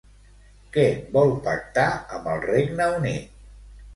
Què vol pactar amb el Regne Unit?